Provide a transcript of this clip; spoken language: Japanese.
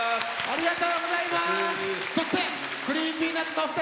ありがとうございます。